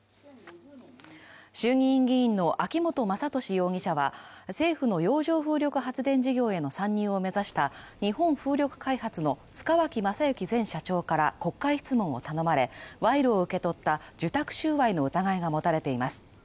衆議院議員の秋本真利容疑者は政府の洋上風力発電事業への参入を目指した日本風力開発の塚脇正幸前社長から国会質問を頼まれ、賄賂を受け取った受託収賄の疑いが持たれています。